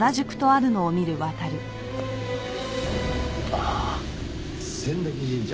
ああ千駄木神社。